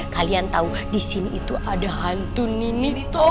kalian tau disini itu ada hantu ninito